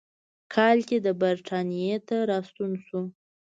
کال کې د برېټانیا ته راستون شو.